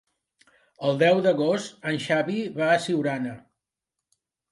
El deu d'agost en Xavi va a Siurana.